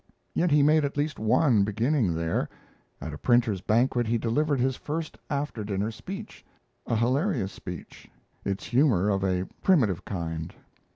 Yet he made at least one beginning there: at a printers' banquet he delivered his first after dinner speech; a hilarious speech its humor of a primitive kind.